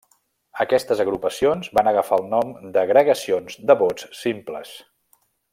Aquestes agrupacions van agafar el nom d'agregacions de vots simples.